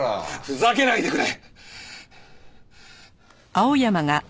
ふざけないでくれ！